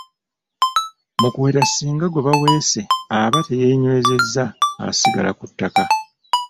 Mu kuweta ssinga gwe baweese aba teyeenywezezza asigala ku ttaka.